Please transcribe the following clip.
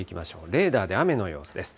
レーダーで雨の様子です。